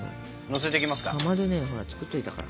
のせていきますか。